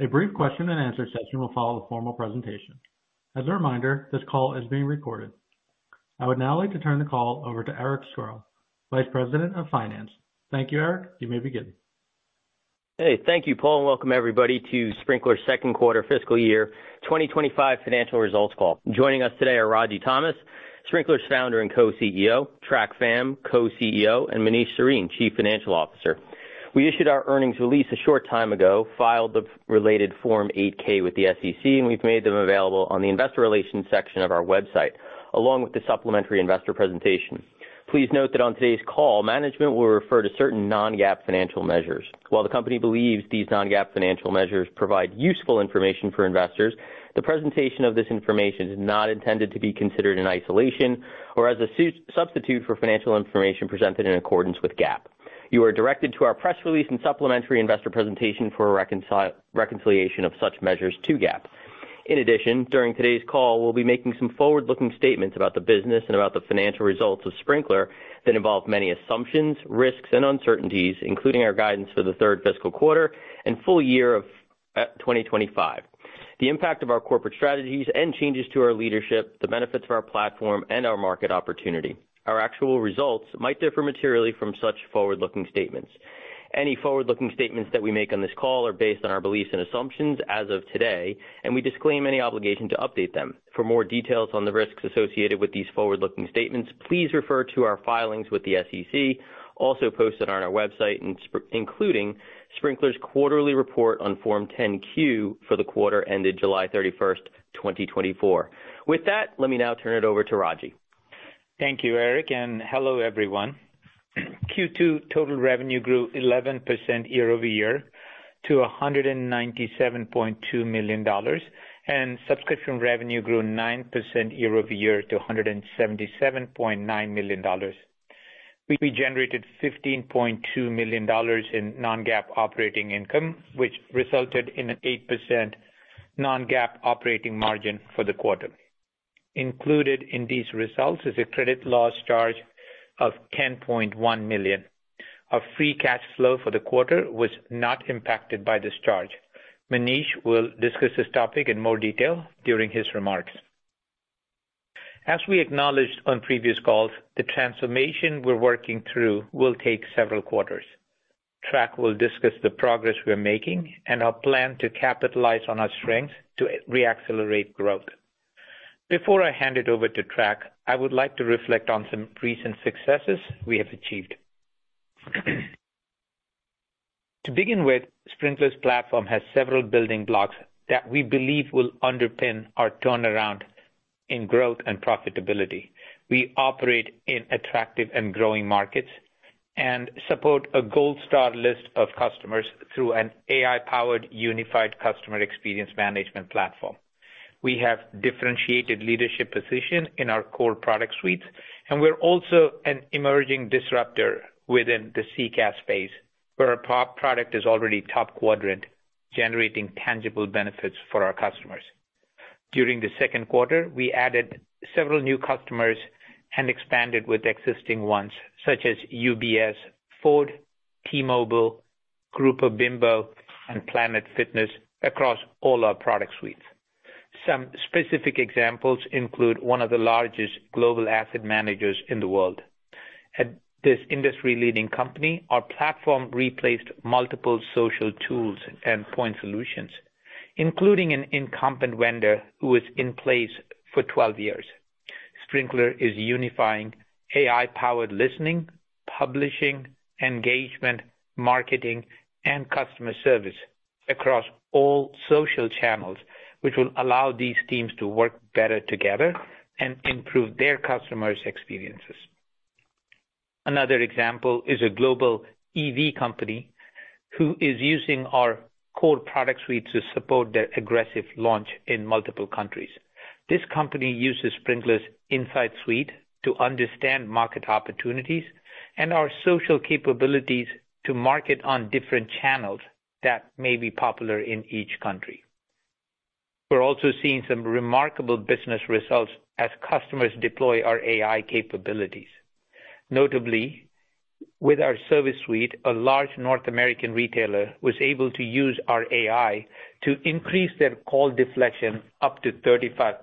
A brief question and answer session will follow the formal presentation. As a reminder, this call is being recorded. I would now like to turn the call over to Eric Squires, Vice President of Finance. Thank you, Eric. You may begin. Hey, thank you, Paul, and welcome everybody to Sprinklr's Q2 fiscal year, 2025 financial results call. Joining us today are Ragy Thomas, Sprinklr's founder and co-CEO, Trac Pham, co-CEO, and Manish Sarin, Chief Financial Officer. We issued our earnings release a short time ago, filed the related Form 8-K with the SEC, and we've made them available on the investor relations section of our website, along with the supplementary investor presentation. Please note that on today's call, management will refer to certain non-GAAP financial measures. While the company believes these non-GAAP financial measures provide useful information for investors, the presentation of this information is not intended to be considered in isolation or as a substitute for financial information presented in accordance with GAAP. You are directed to our press release and supplementary investor presentation for a reconciliation of such measures to GAAP. In addition, during today's call, we'll be making some forward-looking statements about the business and about the financial results of Sprinklr that involve many assumptions, risks, and uncertainties, including our guidance for the third fiscal quarter and full year of 2025, the impact of our corporate strategies and changes to our leadership, the benefits of our platform, and our market opportunity. Our actual results might differ materially from such forward-looking statements. Any forward-looking statements that we make on this call are based on our beliefs and assumptions as of today, and we disclaim any obligation to update them. For more details on the risks associated with these forward-looking statements, please refer to our filings with the SEC, also posted on our website, including Sprinklr's quarterly report on Form 10-Q for the quarter ended July 31st, 2024. With that, let me now turn it over to Ragy. Thank you, Eric, and hello, everyone. Q2 total revenue grew 11% year-over-year to $197.2 million, and subscription revenue grew 9% year-over-year to $177.9 million. We generated $15.2 million in non-GAAP operating income, which resulted in an 8% non-GAAP operating margin for the quarter. Included in these results is a credit loss charge of $10.1 million. Our free cash flow for the quarter was not impacted by this charge. Manish will discuss this topic in more detail during his remarks. As we acknowledged on previous calls, the transformation we're working through will take several quarters. Trac will discuss the progress we are making and our plan to capitalize on our strengths to reaccelerate growth. Before I hand it over to Trac, I would like to reflect on some recent successes we have achieved. To begin with, Sprinklr's platform has several building blocks that we believe will underpin our turnaround in growth and profitability. We operate in attractive and growing markets and support a gold star list of customers through an AI-powered unified customer experience management platform. We have differentiated leadership position in our core product suites, and we're also an emerging disruptor within the CCaaS space, where our top product is already top quadrant, generating tangible benefits for our customers. During the Q2, we added several new customers and expanded with existing ones, such as UBS, Ford, T-Mobile, Grupo Bimbo, and Planet Fitness across all our product suites. Some specific examples include one of the largest global asset managers in the world. At this industry-leading company, our platform replaced multiple social tools and point solutions, including an incumbent vendor who was in place for twelve years. Sprinklr is unifying AI-powered listening, publishing, engagement, marketing, and customer service across all social channels, which will allow these teams to work better together and improve their customers' experiences. Another example is a global EV company who is using our core product suite to support their aggressive launch in multiple countries. This company uses Sprinklr Insights to understand market opportunities and our Social capabilities to market on different channels that may be popular in each country. We're also seeing some remarkable business results as customers deploy our AI capabilities. Notably, with our Service suite, a large North American retailer was able to use our AI to increase their call deflection up to 35%.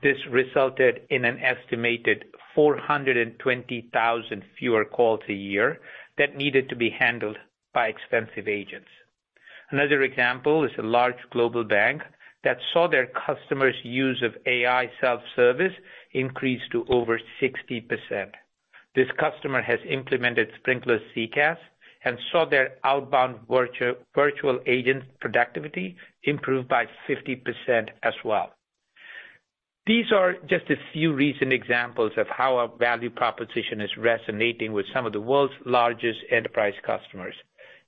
This resulted in an estimated 420,000 fewer calls a year that needed to be handled by expensive agents. Another example is a large global bank that saw their customers' use of AI self-service increase to over 60%. This customer has implemented Sprinklr's CCaaS and saw their outbound virtual agent productivity improve by 50% as well. These are just a few recent examples of how our value proposition is resonating with some of the world's largest enterprise customers.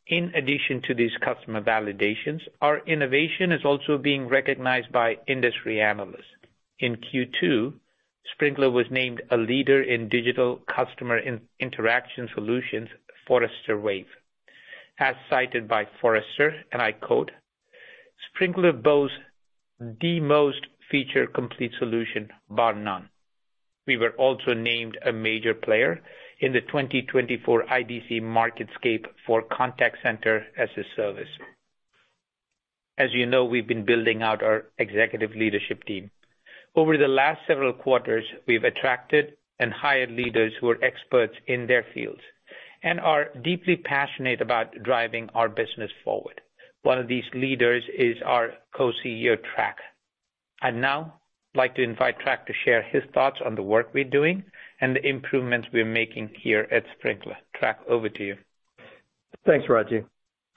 In addition to these customer validations, our innovation is also being recognized by industry analysts. In Q2, Sprinklr was named a leader in digital customer interaction solutions, Forrester Wave. As cited by Forrester, and I quote, "Sprinklr boasts the most feature-complete solution, bar none." We were also named a major player in the 2024 IDC MarketScape for Contact Center as a Service. As you know, we've been building out our executive leadership team. Over the last several quarters, we've attracted and hired leaders who are experts in their fields and are deeply passionate about driving our business forward. One of these leaders is our Co-CEO, Trac. I'd now like to invite Trac to share his thoughts on the work we're doing and the improvements we're making here at Sprinklr. Trac, over to you. Thanks, Ragy.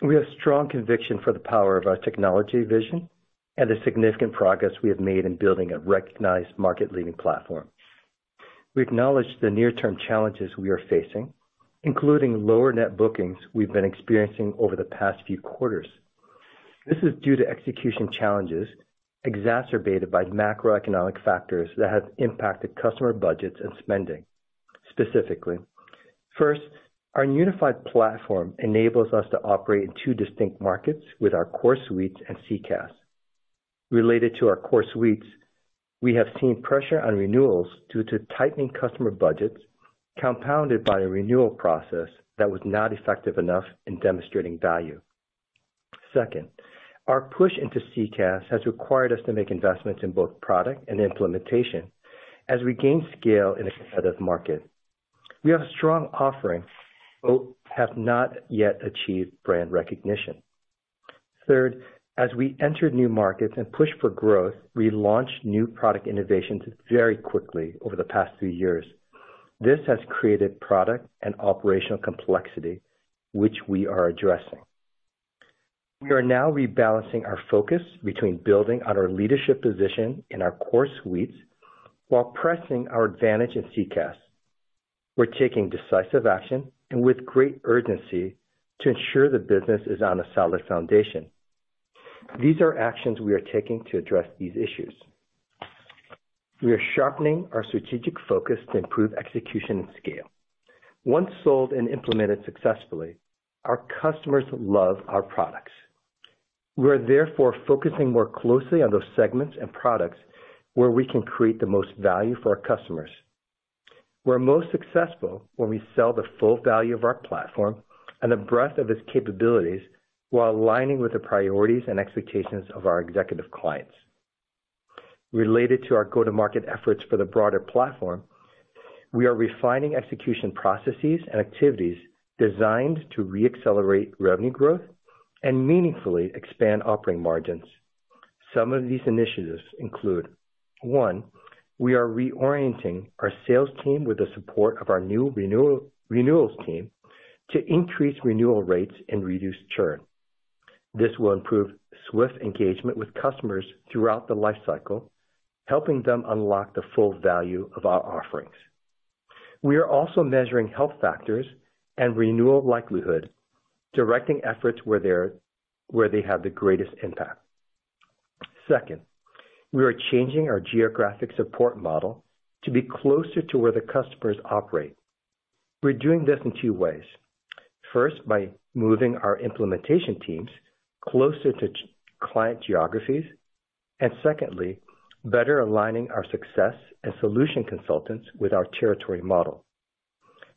We have strong conviction for the power of our technology vision and the significant progress we have made in building a recognized market-leading platform. We acknowledge the near-term challenges we are facing, including lower net bookings we've been experiencing over the past few quarters. This is due to execution challenges exacerbated by macroeconomic factors that have impacted customer budgets and spending. Specifically, first, our unified platform enables us to operate in two distinct markets with our core suites and CCaaS. Related to our core suites, we have seen pressure on renewals due to tightening customer budgets, compounded by a renewal process that was not effective enough in demonstrating value. Second, our push into CCaaS has required us to make investments in both product and implementation as we gain scale in a competitive market. We have a strong offering, but have not yet achieved brand recognition. Third, as we enter new markets and push for growth, we launched new product innovations very quickly over the past few years. This has created product and operational complexity, which we are addressing. We are now rebalancing our focus between building on our leadership position in our core suites while pressing our advantage in CCaaS. We're taking decisive action and with great urgency to ensure the business is on a solid foundation. These are actions we are taking to address these issues. We are sharpening our strategic focus to improve execution and scale. Once sold and implemented successfully, our customers love our products. We are therefore focusing more closely on those segments and products where we can create the most value for our customers. We're most successful when we sell the full value of our platform and the breadth of its capabilities, while aligning with the priorities and expectations of our executive clients. Related to our go-to-market efforts for the broader platform, we are refining execution processes and activities designed to reaccelerate revenue growth and meaningfully expand operating margins. Some of these initiatives include one, we are reorienting our sales team with the support of our new renewals team to increase renewal rates and reduce churn. This will improve swift engagement with customers throughout the lifecycle, helping them unlock the full value of our offerings. We are also measuring health factors and renewal likelihood, directing efforts where they have the greatest impact. Second, we are changing our geographic support model to be closer to where the customers operate. We're doing this in two ways. First, by moving our implementation teams closer to client geographies, and secondly, better aligning our success and solution consultants with our territory model.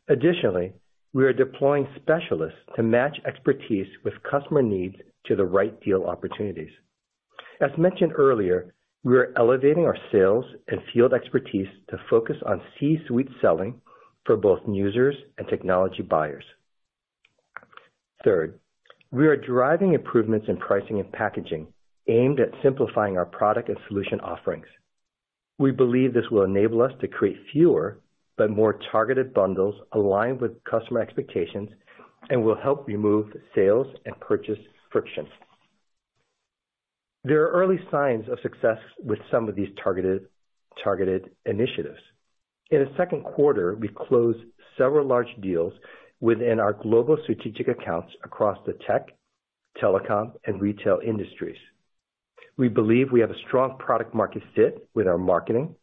Additionally, we are deploying specialists to match expertise with customer needs to the right deal opportunities. As mentioned earlier, we are elevating our sales and field expertise to focus on C-suite selling for both new users and technology buyers. Third, we are driving improvements in pricing and packaging aimed at simplifying our product and solution offerings. We believe this will enable us to create fewer but more targeted bundles aligned with customer expectations and will help remove sales and purchase friction. There are early signs of success with some of these targeted initiatives. In the Q2, we closed several large deals within our global strategic accounts across the tech, telecom, and retail industries. We believe we have a strong product market fit with our Marketing,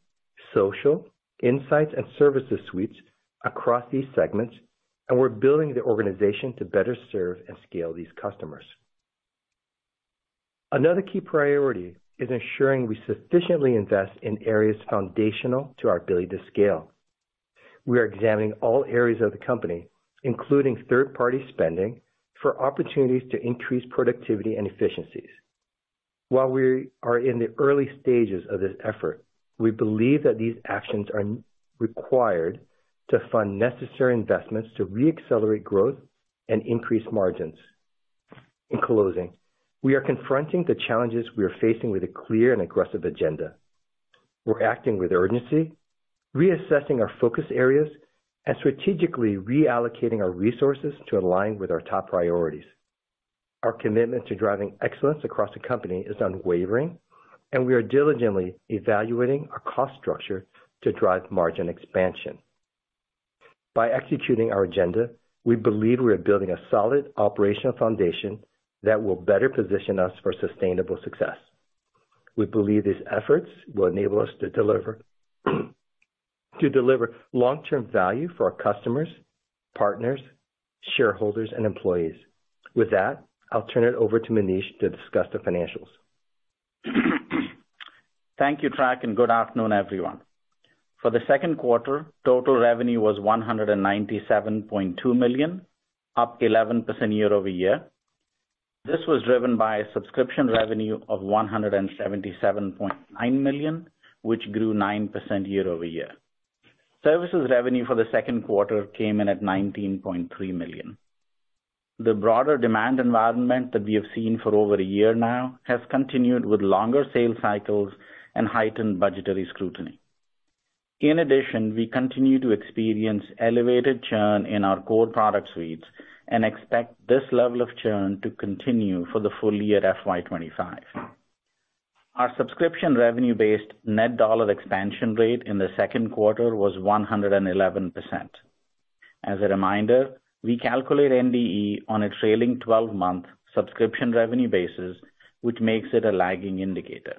Social, Insights, and Service suites across these segments, and we're building the organization to better serve and scale these customers. Another key priority is ensuring we sufficiently invest in areas foundational to our ability to scale. We are examining all areas of the company, including third-party spending, for opportunities to increase productivity and efficiencies. While we are in the early stages of this effort, we believe that these actions are required to fund necessary investments to reaccelerate growth and increase margins. In closing, we are confronting the challenges we are facing with a clear and aggressive agenda. We're acting with urgency, reassessing our focus areas, and strategically reallocating our resources to align with our top priorities. Our commitment to driving excellence across the company is unwavering, and we are diligently evaluating our cost structure to drive margin expansion. By executing our agenda, we believe we are building a solid operational foundation that will better position us for sustainable success. We believe these efforts will enable us to deliver long-term value for our customers, partners, shareholders, and employees. With that, I'll turn it over to Manish to discuss the financials. Thank you, Trac, and good afternoon, everyone. For the Q2, total revenue was $197.2 million, up 11% year-over-year. This was driven by subscription revenue of $177.9 million, which grew 9% year-over-year. Services revenue for the Q2 came in at $19.3 million. The broader demand environment that we have seen for over a year now has continued with longer sales cycles and heightened budgetary scrutiny. In addition, we continue to experience elevated churn in our core product suites and expect this level of churn to continue for the full year FY 2025. Our subscription revenue-based net dollar expansion rate in the Q2 was 111%. As a reminder, we calculate NDE on a trailing-twelve-month subscription revenue basis, which makes it a lagging indicator.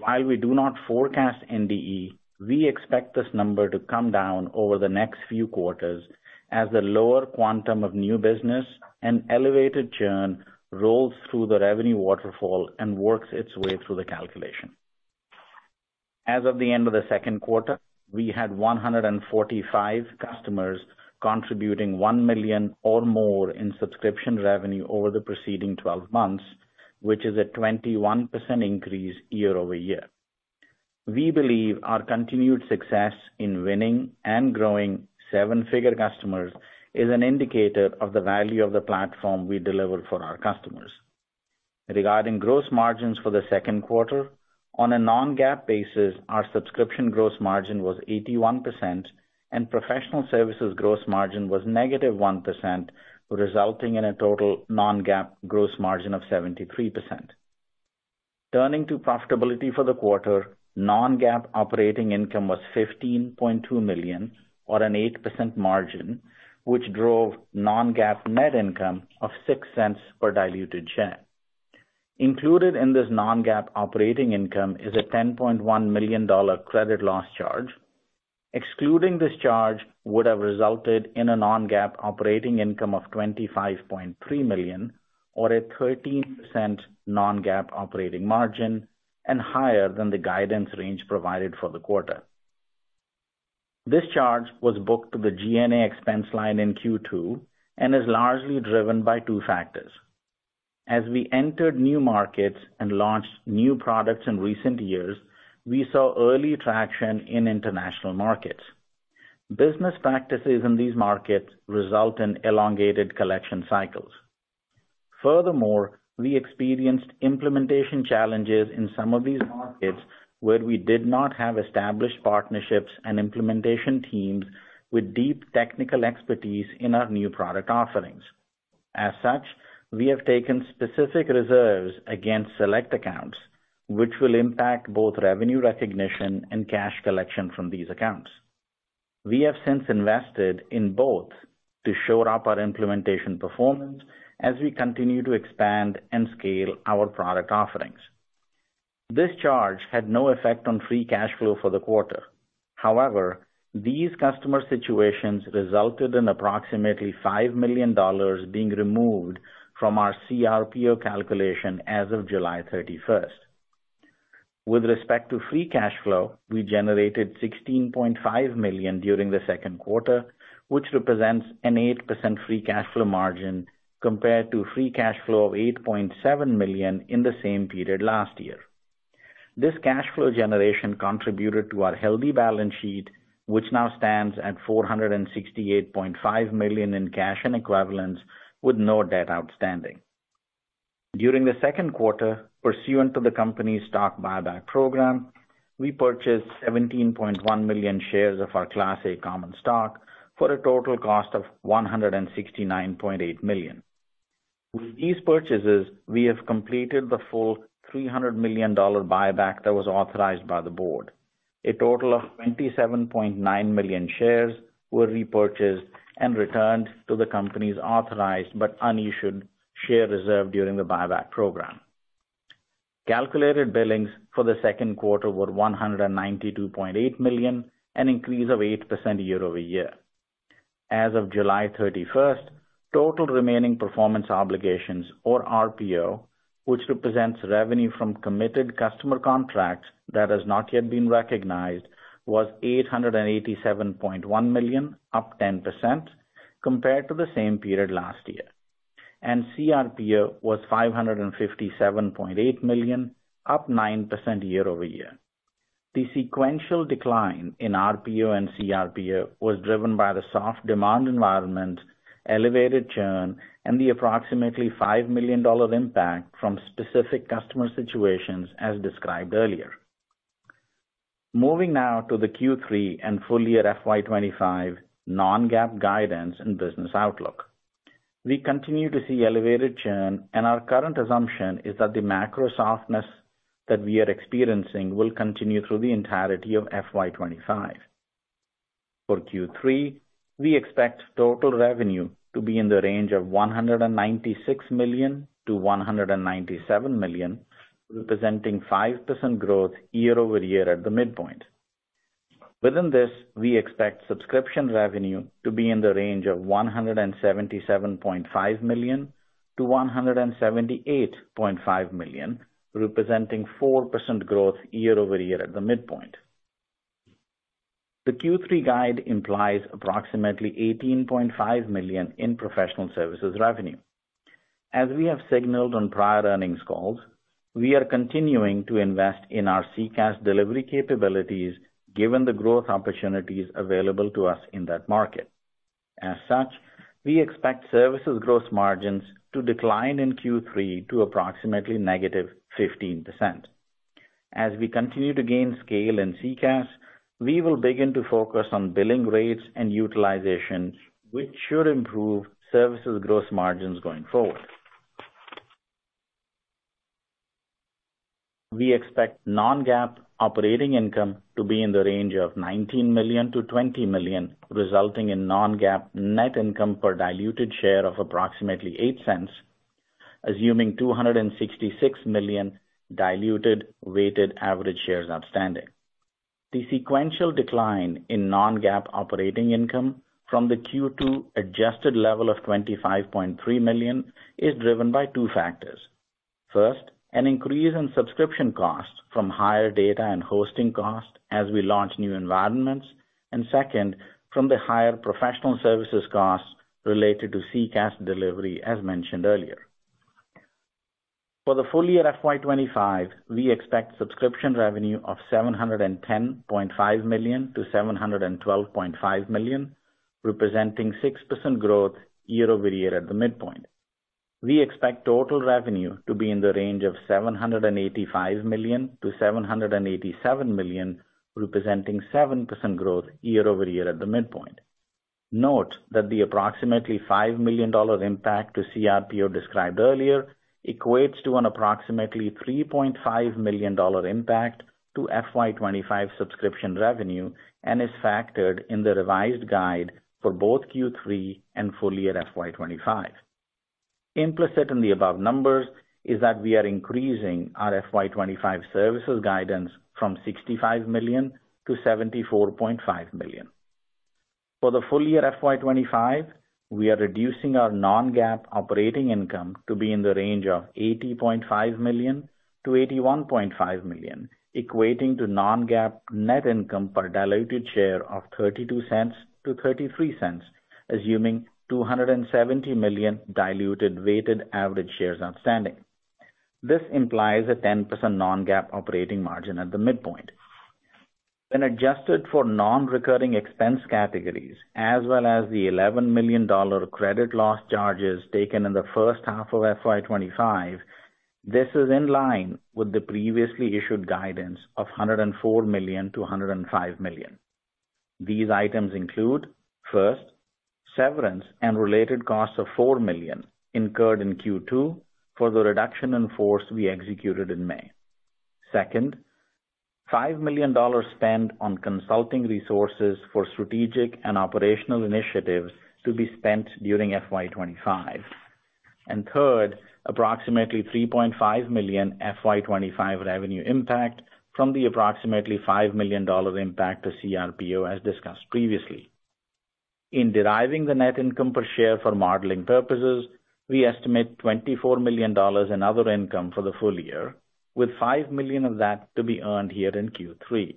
While we do not forecast NDE, we expect this number to come down over the next few quarters as the lower quantum of new business and elevated churn rolls through the revenue waterfall and works its way through the calculation. As of the end of the Q2, we had 145 customers contributing $1 million or more in subscription revenue over the preceding twelve months, which is a 21% increase year-over-year. We believe our continued success in winning and growing seven-figure customers is an indicator of the value of the platform we deliver for our customers. Regarding gross margins for the Q2, on a non-GAAP basis, our subscription gross margin was 81%, and professional services gross margin was -1%, resulting in a total non-GAAP gross margin of 73%. Turning to profitability for the quarter, non-GAAP operating income was $15.2 million, or an 8% margin, which drove non-GAAP net income of $0.06 per diluted share. Included in this non-GAAP operating income is a $10.1 million credit loss charge. Excluding this charge would have resulted in a non-GAAP operating income of $25.3 million, or a 13% non-GAAP operating margin, and higher than the guidance range provided for the quarter. This charge was booked to the G&A expense line in Q2 and is largely driven by two factors. As we entered new markets and launched new products in recent years, we saw early traction in international markets. Business practices in these markets result in elongated collection cycles. Furthermore, we experienced implementation challenges in some of these markets where we did not have established partnerships and implementation teams with deep technical expertise in our new product offerings. As such, we have taken specific reserves against select accounts, which will impact both revenue recognition and cash collection from these accounts. We have since invested in both to shore up our implementation performance as we continue to expand and scale our product offerings. This charge had no effect on free cash flow for the quarter. However, these customer situations resulted in approximately $5 million being removed from our CRPO calculation as of July 31st. With respect to free cash flow, we generated $16.5 million during the Q2, which represents an 8% free cash flow margin compared to free cash flow of $8.7 million in the same period last year. This cash flow generation contributed to our healthy balance sheet, which now stands at $468.5 million in cash and equivalents, with no debt outstanding. During the Q2, pursuant to the company's stock buyback program, we purchased 17.1 million shares of our Class A Common Stock for a total cost of $169.8 million. With these purchases, we have completed the full $300 million buyback that was authorized by the board. A total of 27.9 million shares were repurchased and returned to the company's authorized but unissued share reserve during the buyback program. Calculated Billings for the Q2 were $192.8 million, an increase of 8% year-over-year. As of July 31, total remaining performance obligations, or RPO, which represents revenue from committed customer contracts that has not yet been recognized, was $887.1 million, up 10% compared to the same period last year, and CRPO was $557.8 million, up 9% year-over-year. The sequential decline in RPO and CRPO was driven by the soft demand environment, elevated churn, and the approximately $5 million impact from specific customer situations, as described earlier. Moving now to the Q3 and full-year FY 2025 non-GAAP guidance and business outlook. We continue to see elevated churn, and our current assumption is that the macro softness that we are experiencing will continue through the entirety of FY 2025. For Q3, we expect total revenue to be in the range of $196 million-$197 million, representing 5% growth year-over-year at the midpoint. Within this, we expect subscription revenue to be in the range of $177.5 million-$178.5 million, representing 4% growth year-over-year at the midpoint. The Q3 guide implies approximately $18.5 million in professional services revenue. As we have signaled on prior earnings calls, we are continuing to invest in our CCaaS delivery capabilities, given the growth opportunities available to us in that market. As such, we expect services gross margins to decline in Q3 to approximately -15%. As we continue to gain scale in CCaaS, we will begin to focus on billing rates and utilization, which should improve services gross margins going forward. We expect non-GAAP operating income to be in the range of $19 million-$20 million, resulting in non-GAAP net income per diluted share of approximately $0.08, assuming 266 million diluted weighted average shares outstanding. The sequential decline in non-GAAP operating income from the Q2 adjusted level of $25.3 million is driven by two factors. First, an increase in subscription costs from higher data and hosting costs as we launch new environments, and second, from the higher professional services costs related to CCaaS delivery, as mentioned earlier. For the full year FY 2025, we expect subscription revenue of $710.5 million-$712.5 million, representing 6% growth year-over-year at the midpoint. We expect total revenue to be in the range of $785 million-$787 million, representing 7% growth year-over-year at the midpoint. Note that the approximately $5 million impact to CRPO described earlier equates to an approximately $3.5 million impact to FY 2025 subscription revenue and is factored in the revised guide for both Q3 and full year FY 2025. Implicit in the above numbers is that we are increasing our FY 2025 services guidance from $65 million to $74.5 million. For the full year FY 2025, we are reducing our non-GAAP operating income to be in the range of $80.5 million-$81.5 million, equating to non-GAAP net income per diluted share of $0.32-$0.33, assuming 270 million diluted weighted average shares outstanding. This implies a 10% non-GAAP operating margin at the midpoint. When adjusted for non-recurring expense categories, as well as the $11 million credit loss charges taken in the first half of FY 2025, this is in line with the previously issued guidance of $104 million-$105 million. These items include, first, severance and related costs of $4 million incurred in Q2 for the reduction in force we executed in May. Second, $5 million spent on consulting resources for strategic and operational initiatives to be spent during FY 2025. Third, approximately $3.5 million FY 2025 revenue impact from the approximately $5 million impact to CRPO, as discussed previously. In deriving the net income per share for modeling purposes, we estimate $24 million in other income for the full year, with $5 million of that to be earned here in Q3.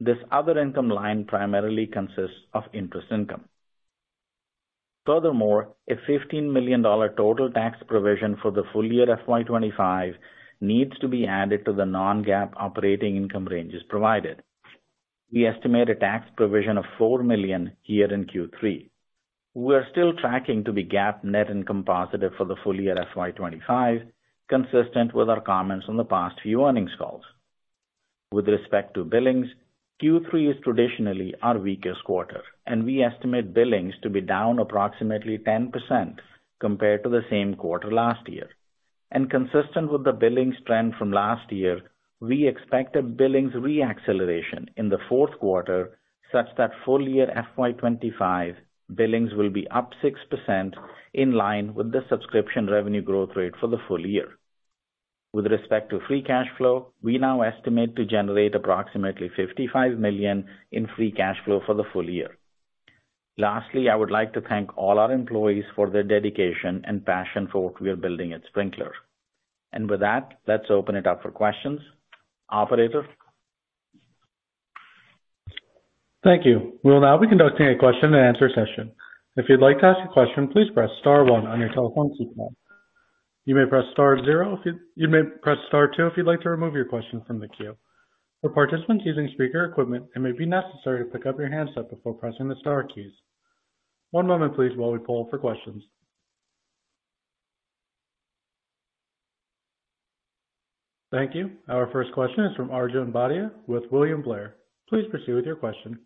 This other income line primarily consists of interest income. Furthermore, a $15 million total tax provision for the full year FY 2025 needs to be added to the non-GAAP operating income ranges provided. We estimate a tax provision of $4 million here in Q3. We are still tracking to be GAAP net income positive for the full year FY 2025, consistent with our comments on the past few earnings calls. With respect to billings, Q3 is traditionally our weakest quarter, and we estimate billings to be down approximately 10% compared to the same quarter last year. And consistent with the billings trend from last year, we expect a billings reacceleration in the Q4, such that full year FY 2025 billings will be up 6% in line with the subscription revenue growth rate for the full year. With respect to free cash flow, we now estimate to generate approximately $55 million in free cash flow for the full year. Lastly, I would like to thank all our employees for their dedication and passion for what we are building at Sprinklr. And with that, let's open it up for questions. Operator? Thank you. We will now be conducting a question-and-answer session. If you'd like to ask a question, please press star one on your telephone keypad. You may press star zero. You may press star two if you'd like to remove your question from the queue. For participants using speaker equipment, it may be necessary to pick up your handset before pressing the star keys. One moment, please, while we poll for questions. Thank you. Our first question is from Arjun Bhatia with William Blair. Please proceed with your question.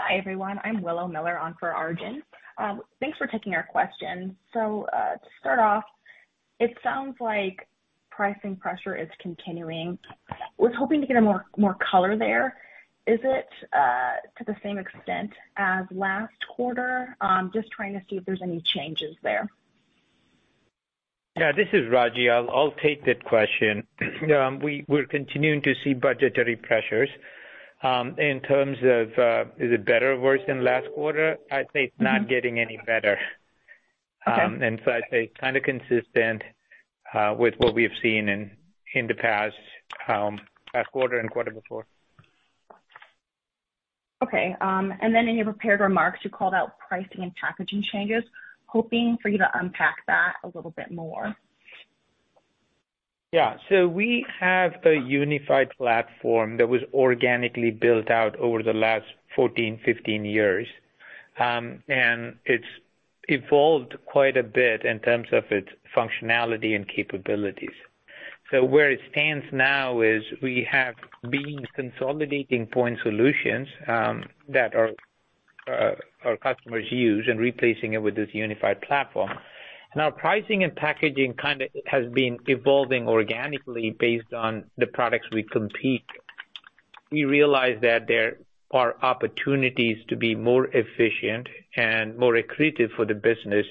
Hi, everyone. I'm Willow Miller on for Arjun. Thanks for taking our question. So, to start off, it sounds like pricing pressure is continuing. Was hoping to get a more color there. Is it, to the same extent as last quarter? Just trying to see if there's any changes there. Yeah, this is Ragy. I'll take that question. We're continuing to see budgetary pressures. In terms of, is it better or worse than last quarter? I'd say it's not getting any better, and so I'd say kind of consistent with what we've seen in the past quarter and quarter before. Okay, and then in your prepared remarks, you called out pricing and packaging changes. Hoping for you to unpack that a little bit more? Yeah. So we have a unified platform that was organically built out over the last 14, 15 years. And it's evolved quite a bit in terms of its functionality and capabilities. So where it stands now is we have been consolidating point solutions that our customers use and replacing it with this unified platform. And our pricing and packaging kind of has been evolving organically based on the products we compete. We realize that there are opportunities to be more efficient and more accretive for the business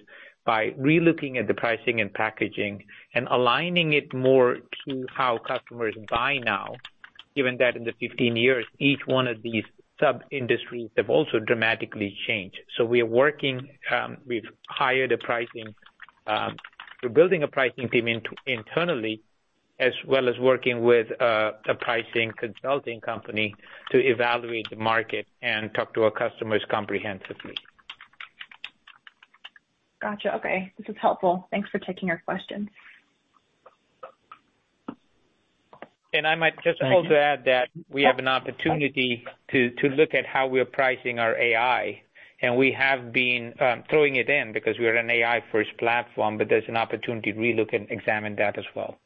by relooking at the pricing and packaging and aligning it more to how customers buy now, given that in the 15 years, each one of these sub-industries have also dramatically changed. So we are working. We've hired a pricing... We're building a pricing team internally, as well as working with a pricing consulting company to evaluate the market and talk to our customers comprehensively. Gotcha. Okay. This is helpful. Thanks for taking our questions. I might just also add that we have an opportunity to look at how we are pricing our AI, and we have been throwing it in because we are an AI-first platform, but there's an opportunity to relook and examine that as well.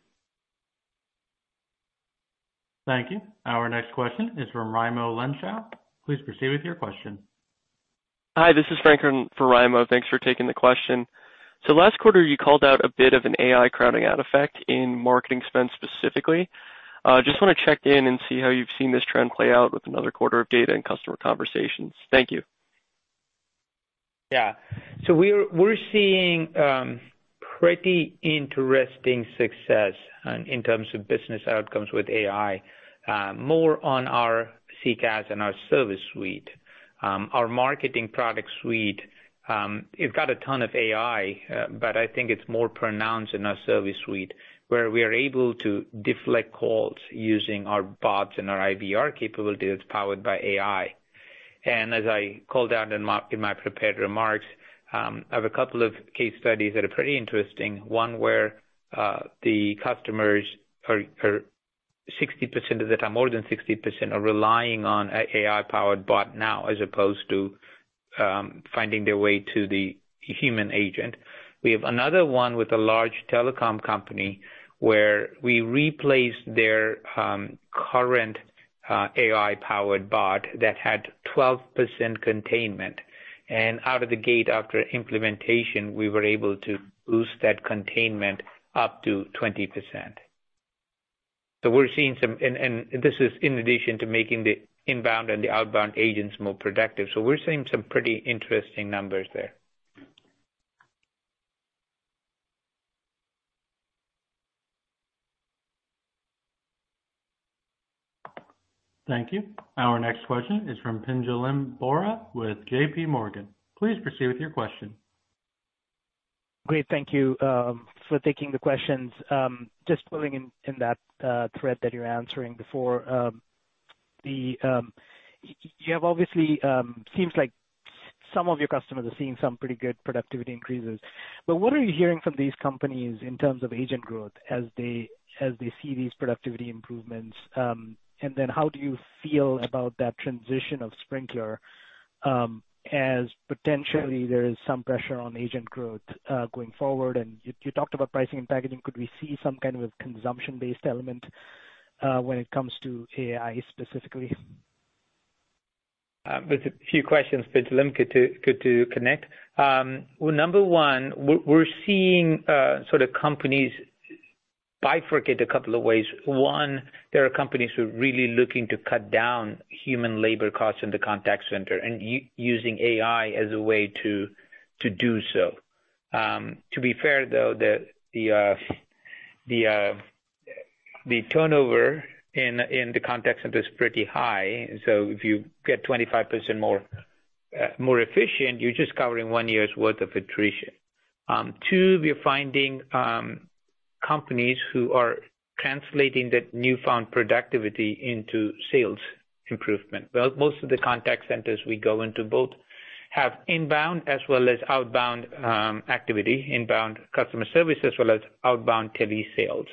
Thank you. Our next question is from Raimo Lenschow. Please proceed with your question. Hi, this is Franklin for Raimo. Thanks for taking the question. So last quarter, you called out a bit of an AI crowding out effect in marketing spend, specifically. Just wanna check in and see how you've seen this trend play out with another quarter of data and customer conversations. Thank you. Yeah. So we're seeing pretty interesting success in terms of business outcomes with AI, more on our CCaaS and our service suite. Our Marketing product suite, it's got a ton of AI, but I think it's more pronounced in our service suite, where we are able to deflect calls using our bots and our IVR capability that's powered by AI. And as I called out in my prepared remarks, I have a couple of case studies that are pretty interesting. One where the customers are 60% of them, more than 60%, are relying on AI-powered bot now, as opposed to finding their way to the human agent. We have another one with a large telecom company, where we replaced their current AI-powered bot that had 12% containment, and out of the gate, after implementation, we were able to boost that containment up to 20%. So we're seeing some. And this is in addition to making the inbound and the outbound agents more productive. So we're seeing some pretty interesting numbers there. Thank you. Our next question is from Pinjalim Bora, with J.P. Morgan. Please proceed with your question. Great, thank you for taking the questions. Just pulling in that thread that you're answering before. You have obviously seems like some of your customers are seeing some pretty good productivity increases. But what are you hearing from these companies in terms of agent growth as they see these productivity improvements? And then how do you feel about that transition of Sprinklr as potentially there is some pressure on agent growth going forward? And you talked about pricing and packaging. Could we see some kind of a consumption-based element when it comes to AI, specifically? There's a few questions, Pinjalim, good to connect. Well, number one, we're seeing sort of companies bifurcate a couple of ways. One, there are companies who are really looking to cut down human labor costs in the contact center and using AI as a way to do so. To be fair, though, the turnover in the contact center is pretty high, so if you get 25% more efficient, you're just covering one year's worth of attrition. Two, we are finding companies who are translating that newfound productivity into sales improvement. Most of the contact centers we go into both have inbound as well as outbound activity, inbound customer service as well as outbound tele sales.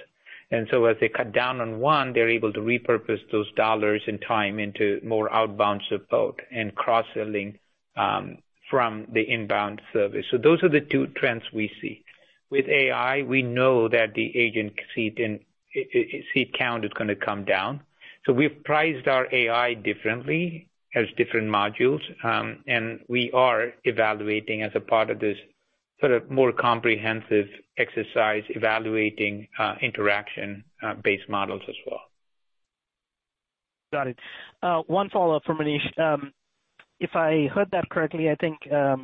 And so as they cut down on one, they're able to repurpose those dollars and time into more outbound support and cross-selling from the inbound service. So those are the two trends we see. With AI, we know that the agent seat count is gonna come down. So we've priced our AI differently, as different modules, and we are evaluating as a part of this sort of more comprehensive exercise, evaluating interaction based models as well.... Got it. One follow-up for Manish. If I heard that correctly, I think,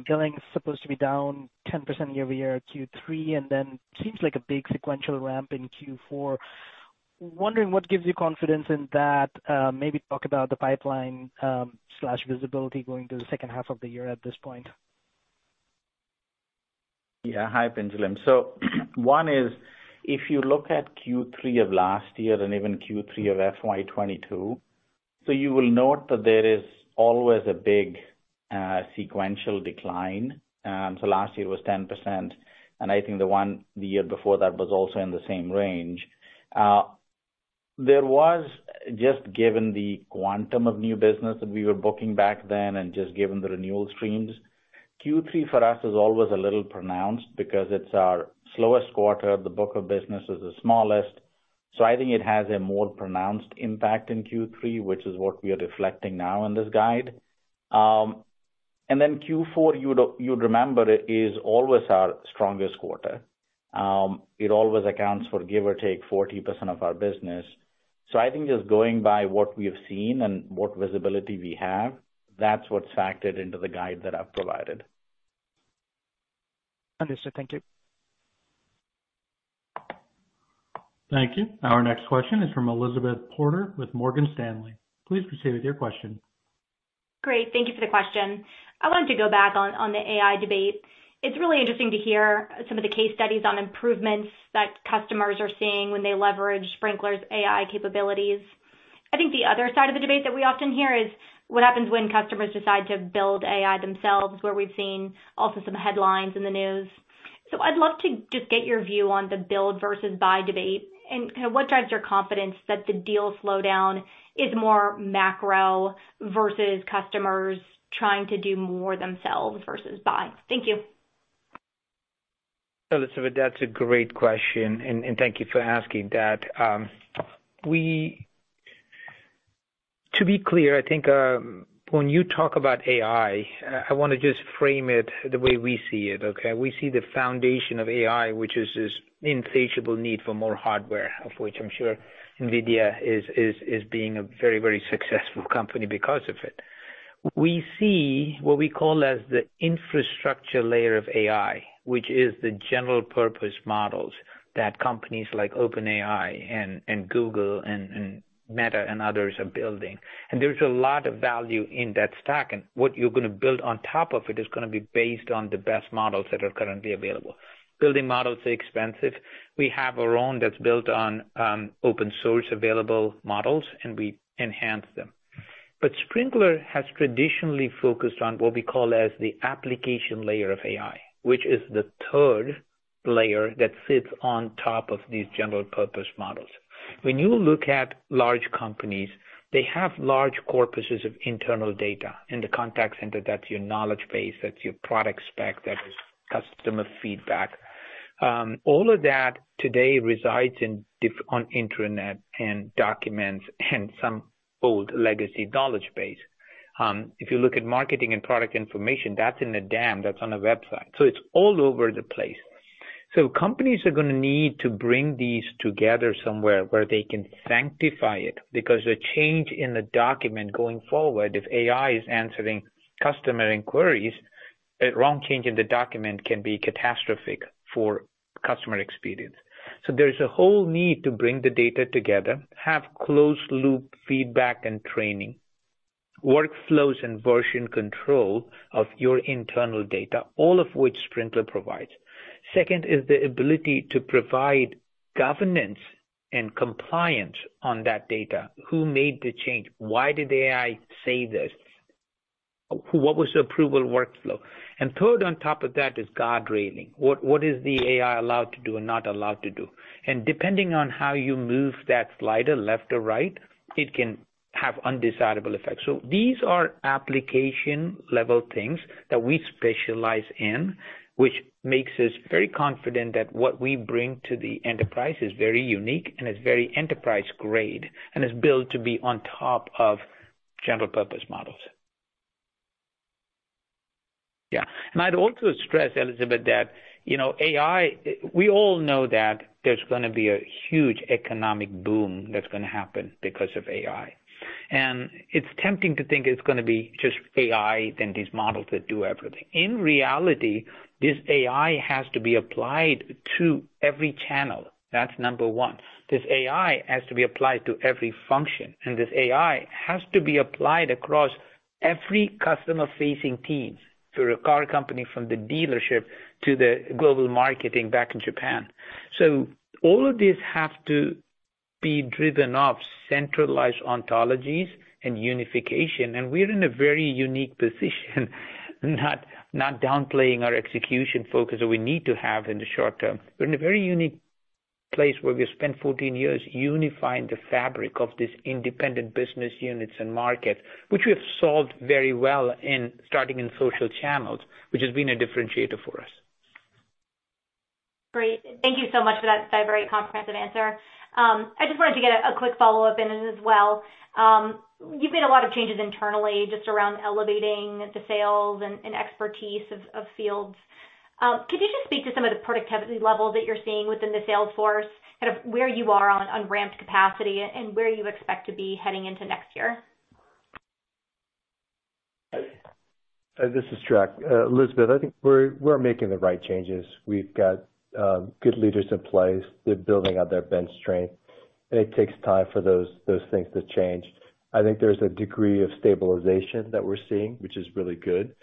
billing is supposed to be down 10% year-over-year Q3, and then seems like a big sequential ramp in Q4. Wondering what gives you confidence in that? Maybe talk about the pipeline, slash visibility going through the second half of the year at this point. Yeah. Hi, Pinjalim. So one is, if you look at Q3 of last year and even Q3 of FY 2022, so you will note that there is always a big, sequential decline. So last year was 10%, and I think the one the year before that was also in the same range. There was, just given the quantum of new business that we were booking back then and just given the renewal streams, Q3 for us is always a little pronounced because it's our slowest quarter. The book of business is the smallest, so I think it has a more pronounced impact in Q3, which is what we are reflecting now in this guide. And then Q4, you'd remember, is always our strongest quarter. It always accounts for, give or take, 40% of our business. So I think just going by what we have seen and what visibility we have, that's what's factored into the guide that I've provided. Understood. Thank you. Thank you. Our next question is from Elizabeth Porter with Morgan Stanley. Please proceed with your question. Great. Thank you for the question. I wanted to go back on, on the AI debate. It's really interesting to hear some of the case studies on improvements that customers are seeing when they leverage Sprinklr's AI capabilities. I think the other side of the debate that we often hear is what happens when customers decide to build AI themselves, where we've seen also some headlines in the news. So I'd love to just get your view on the build versus buy debate, and kind of what drives your confidence that the deal slowdown is more macro versus customers trying to do more themselves versus buy? Thank you. Elizabeth, that's a great question, and thank you for asking that. To be clear, I think when you talk about AI, I wanna just frame it the way we see it, okay? We see the foundation of AI, which is this insatiable need for more hardware, of which I'm sure NVIDIA is being a very successful company because of it. We see what we call as the infrastructure layer of AI, which is the general purpose models that companies like OpenAI and Google and Meta and others are building. And there's a lot of value in that stack, and what you're gonna build on top of it is gonna be based on the best models that are currently available. Building models are expensive. We have our own that's built on open source available models, and we enhance them. But Sprinklr has traditionally focused on what we call as the application layer of AI, which is the third layer that sits on top of these general purpose models. When you look at large companies, they have large corpuses of internal data. In the contact center, that's your knowledge base, that's your product spec, that is customer feedback. All of that today resides in different places on the internet and documents and some old legacy knowledge base. If you look at marketing and product information, that's in a DAM, that's on a website, so it's all over the place. So companies are gonna need to bring these together somewhere where they can sanctify it, because the change in the document going forward, if AI is answering customer inquiries, a wrong change in the document can be catastrophic for customer experience. So there's a whole need to bring the data together, have closed loop feedback and training, workflows and version control of your internal data, all of which Sprinklr provides. Second is the ability to provide governance and compliance on that data. Who made the change? Why did the AI say this? What was the approval workflow? And third on top of that is guard railing. What is the AI allowed to do and not allowed to do? And depending on how you move that slider left or right, it can have undesirable effects. So these are application-level things that we specialize in, which makes us very confident that what we bring to the enterprise is very unique and is very enterprise-grade, and is built to be on top of general purpose models. Yeah, and I'd also stress, Elizabeth, that, you know, AI, we all know that there's gonna be a huge economic boom that's gonna happen because of AI, and it's tempting to think it's gonna be just AI and these models that do everything. In reality, this AI has to be applied to every channel. That's number one. This AI has to be applied to every function, and this AI has to be applied across every customer-facing teams, to a car company, from the dealership to the global marketing back in Japan. So all of these have to be driven off centralized ontologies and unification, and we're in a very unique position, not downplaying our execution focus that we need to have in the short term. We're in a very unique place where we've spent 14 years unifying the fabric of these independent business units and markets, which we have solved very well in starting in social channels, which has been a differentiator for us. Great. Thank you so much for that very comprehensive answer. I just wanted to get a quick follow-up in as well. You've made a lot of changes internally just around elevating the sales and expertise of fields. Could you just speak to some of the productivity levels that you're seeing within the sales force, kind of where you are on ramped capacity and where you expect to be heading into next year? This is Trac. Elizabeth, I think we're making the right changes. We've got good leaders in place. They're building out their bench strength, and it takes time for those things to change. I think there's a degree of stabilization that we're seeing, which is really good.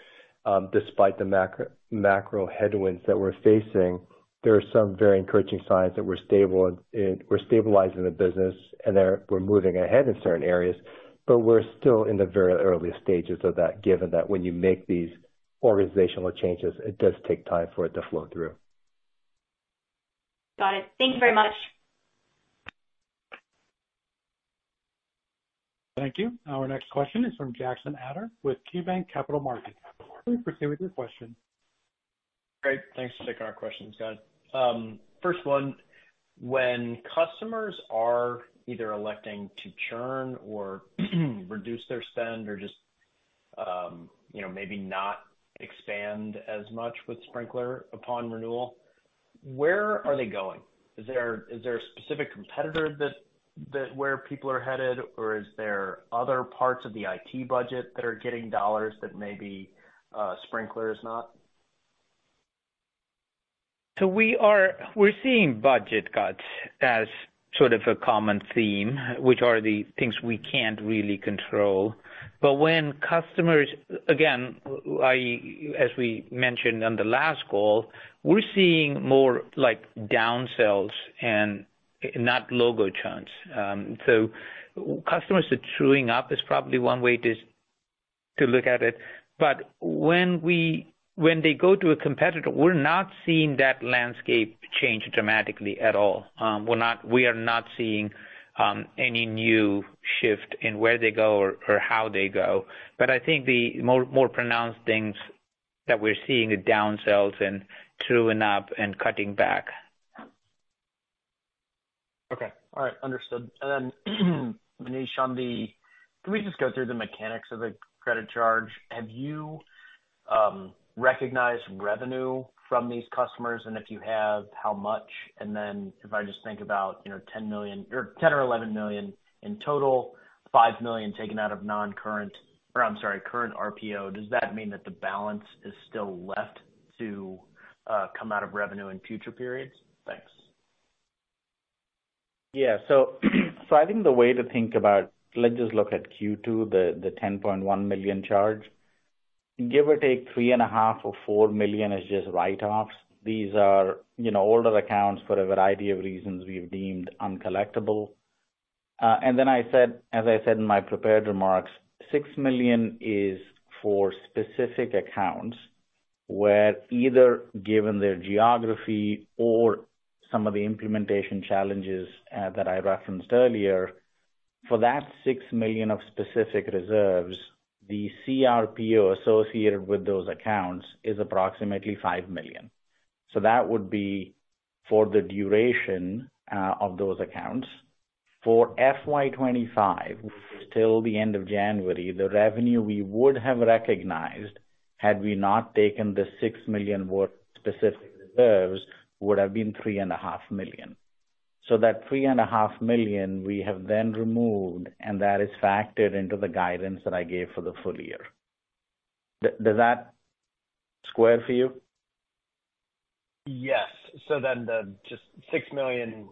Despite the macro headwinds that we're facing, there are some very encouraging signs that we're stable and we're stabilizing the business, and we're moving ahead in certain areas. But we're still in the very early stages of that, given that when you make these organizational changes, it does take time for it to flow through. Got it. Thank you very much. Thank you. Our next question is from Jackson Ader with KeyBanc Capital Markets. Please proceed with your question. Great. Thanks for taking our questions, guys. First one, when customers are either electing to churn or reduce their spend or just, you know, maybe not expand as much with Sprinklr upon renewal, where are they going? Is there a specific competitor where people are headed, or is there other parts of the IT budget that are getting dollars that maybe Sprinklr is not? So we are seeing budget cuts as sort of a common theme, which are the things we can't really control. But when customers, again, as we mentioned on the last call, we're seeing more like down sales and not logo churns. So customers are truing up is probably one way to look at it. But when they go to a competitor, we're not seeing that landscape change dramatically at all. We're not seeing any new shift in where they go or how they go. But I think the more pronounced things that we're seeing are down sales and truing up and cutting back. Okay. All right. Understood. And then, Manish, on the credit loss charge. Can we just go through the mechanics of the credit loss charge? Have you recognized revenue from these customers? And if you have, how much? And then if I just think about, you know, $10 million or 10 or 11 million in total, $5 million taken out of non-current, or I'm sorry, current RPO, does that mean that the balance is still left to come out of revenue in future periods? Thanks. Yeah. So I think the way to think about... Let's just look at Q2, the $10.1 million charge. Give or take, $3.5-$4 million is just write-offs. These are, you know, older accounts for a variety of reasons we've deemed uncollectible. And then, as I said in my prepared remarks, $6 million is for specific accounts where either given their geography or some of the implementation challenges that I referenced earlier, for that $6 million of specific reserves, the CRPO associated with those accounts is approximately $5 million. So that would be for the duration of those accounts. For FY 2025, which is till the end of January, the revenue we would have recognized, had we not taken the $6 million worth of specific reserves, would have been $3.5 million. So that $3.5 million, we have then removed, and that is factored into the guidance that I gave for the full year. Does that square for you? Yes. So then the just $6 million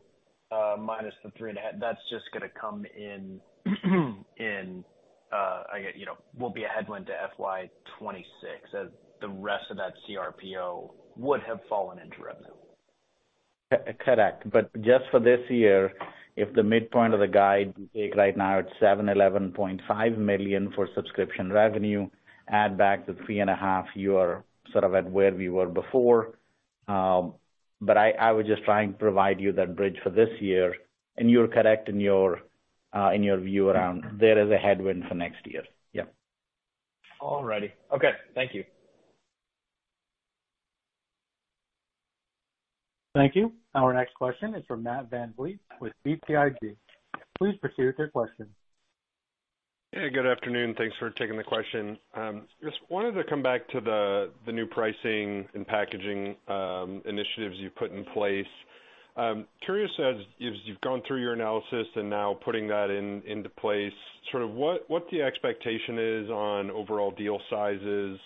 minus the $3.5 million, that's just gonna come in, I get, you know, will be a headwind to FY 2026, as the rest of that CRPO would have fallen into revenue. Correct. But just for this year, if the midpoint of the guide we take right now, it's $711.5 million for subscription revenue, add back the $3.5, you are sort of at where we were before. But I was just trying to provide you that bridge for this year, and you're correct in your view around there is a headwind for next year. Yeah. All righty. Okay. Thank you. Thank you. Our next question is from Matt VanVliet with BTIG. Please proceed with your question. Hey, good afternoon. Thanks for taking the question. Just wanted to come back to the new pricing and packaging initiatives you've put in place. Curious as you've gone through your analysis and now putting that into place, sort of what the expectation is on overall deal sizes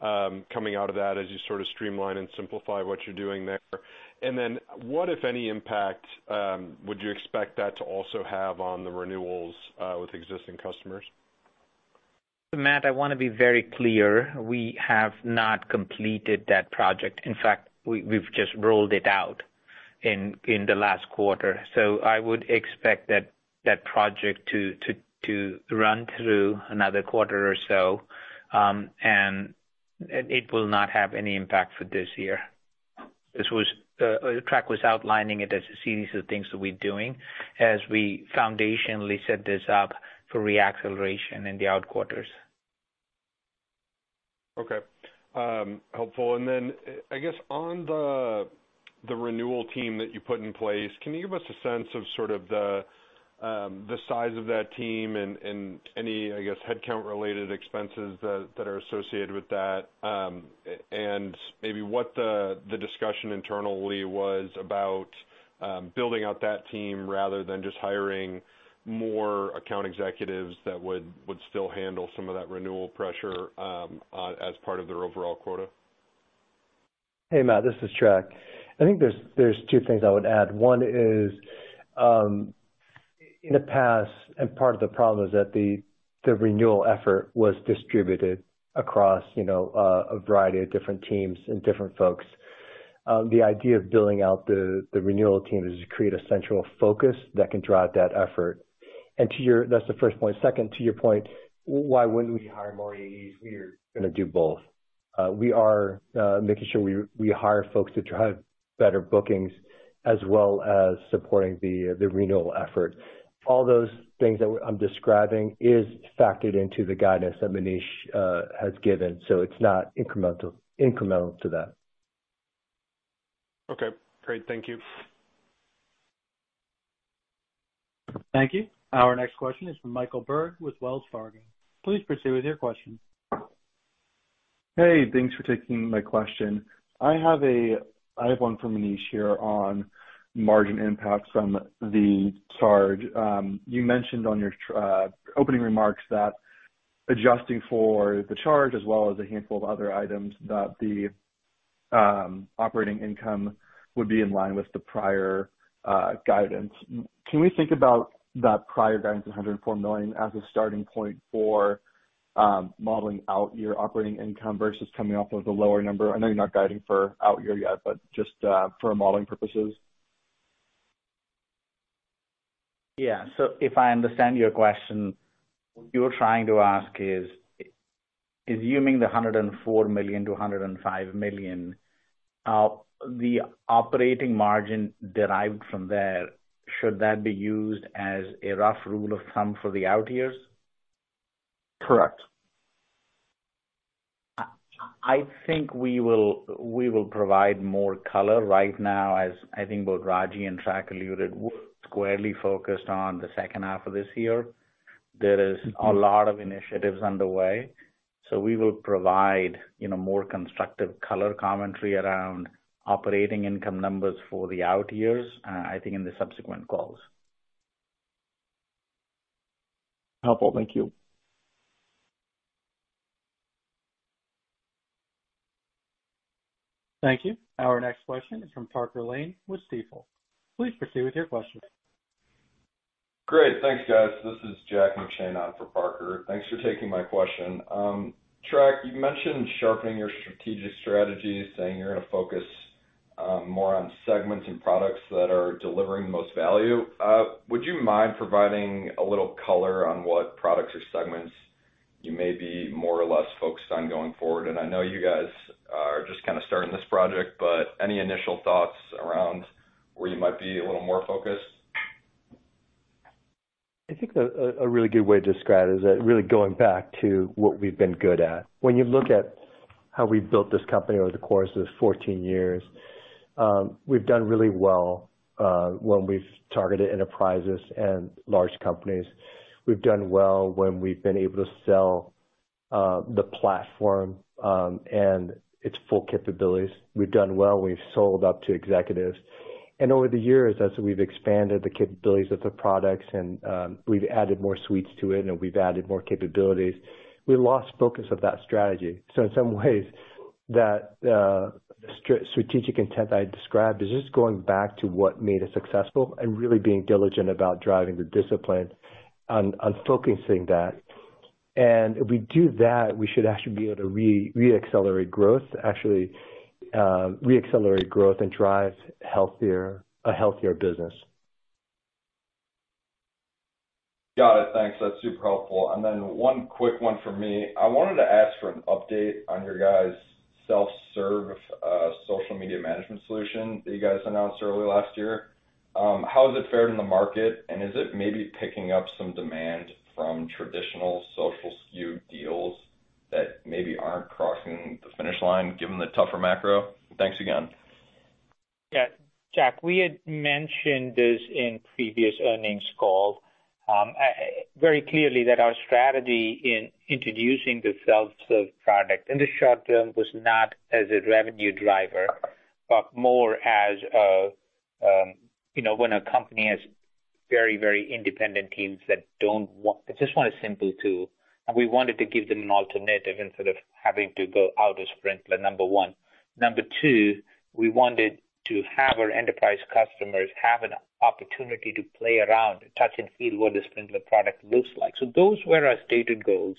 coming out of that as you sort of streamline and simplify what you're doing there? And then what, if any, impact would you expect that to also have on the renewals with existing customers? Matt, I want to be very clear. We have not completed that project. In fact, we've just rolled it out in the last quarter. So I would expect that project to run through another quarter or so, and it will not have any impact for this year. This was Trac outlining it as a series of things that we're doing as we foundationally set this up for reacceleration in the out quarters. Okay, helpful. And then, I guess on the- the renewal team that you put in place, can you give us a sense of sort of the size of that team and any, I guess, headcount related expenses that are associated with that? And maybe what the discussion internally was about building out that team rather than just hiring more account executives that would still handle some of that renewal pressure on as part of their overall quota? Hey, Matt, this is Trac. I think there's two things I would add. One is, in the past, and part of the problem is that the renewal effort was distributed across, you know, a variety of different teams and different folks. The idea of building out the renewal team is to create a central focus that can drive that effort. And to your point, that's the first point. Second, to your point, why wouldn't we hire more AEs? We are gonna do both. We are making sure we hire folks to drive better bookings, as well as supporting the renewal effort. All those things that I'm describing is factored into the guidance that Manish has given, so it's not incremental to that. Okay, great. Thank you. Thank you. Our next question is from Michael Turrin with Wells Fargo. Please proceed with your question. Hey, thanks for taking my question. I have one for Manish here on margin impact from the charge. You mentioned on your opening remarks that adjusting for the charge, as well as a handful of other items, that the operating income would be in line with the prior guidance. Can we think about that prior guidance of $104 million as a starting point for modeling out your operating income versus coming off of the lower number? I know you're not guiding for out year yet, but just for modeling purposes. Yeah. So if I understand your question, what you're trying to ask is, assuming the $104 million-$105 million, the operating margin derived from there, should that be used as a rough rule of thumb for the out years? Correct. I think we will provide more color. Right now, as I think both Ragy and Trac alluded, we're squarely focused on the second half of this year. There is a lot of initiatives underway, so we will provide, you know, more constructive color commentary around operating income numbers for the out years, I think, in the subsequent calls. Helpful. Thank you. Thank you. Our next question is from Parker Lane with Stifel. Please proceed with your question. Great. Thanks, guys. This is John McShane out for Parker. Thanks for taking my question. Trac, you mentioned sharpening your strategic strategy, saying you're gonna focus, more on segments and products that are delivering the most value. Would you mind providing a little color on what products or segments you may be more or less focused on going forward? And I know you guys are just kind of starting this project, but any initial thoughts around where you might be a little more focused? I think a really good way to describe it is that really going back to what we've been good at. When you look at how we've built this company over the course of 14 years, we've done really well when we've targeted enterprises and large companies. We've done well when we've been able to sell the platform and its full capabilities. We've done well when we've sold up to executives. And over the years, as we've expanded the capabilities of the products and we've added more suites to it, and we've added more capabilities, we lost focus of that strategy. So in some ways, that strategic intent I described is just going back to what made us successful and really being diligent about driving the discipline on focusing that. If we do that, we should actually be able to reaccelerate growth and drive a healthier business. Got it. Thanks. That's super helpful, and then one quick one from me. I wanted to ask for an update on your guys' self-serve social media management solution that you guys announced early last year. How has it fared in the market, and is it maybe picking up some demand from traditional social SKU deals that maybe aren't crossing the finish line given the tougher macro? Thanks again. Yeah. Jack, we had mentioned this in previous earnings call. I very clearly that our strategy in introducing the self-serve product in the short term was not as a revenue driver, but more as a, you know, when a company has very, very independent teams that don't want-- they just want a simple tool, and we wanted to give them an alternative instead of having to go out as Sprinklr, number one. Number two, we wanted to have our enterprise customers have an opportunity to play around and touch and feel what a Sprinklr product looks like. So those were our stated goals.